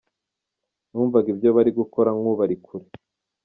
Numvaga ibyo bari gukora nk’ubari kure.